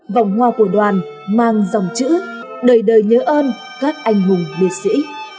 vòng hoa của đoàn mang dòng chữ đời đời nhớ ơn các anh hùng liệt sĩ